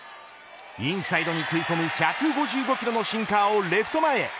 インサイドに食い込む１５５キロのシンカーをレフト前へ。